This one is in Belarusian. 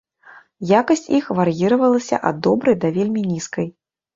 Якасць іх вар'іравалася ад добрай да вельмі нізкай.